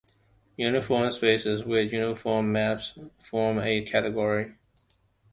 Uniform spaces with uniform maps form a category.